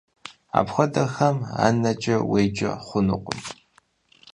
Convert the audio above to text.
Апхуэдэхэм анэкӀэ уеджэ хъунукъым.